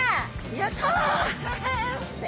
やった！